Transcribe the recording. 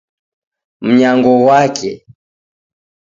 Mnyango ghwake